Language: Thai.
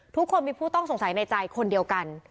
ทุกคนมีผู้ต้องสงสัยในใจคนเดียวกัน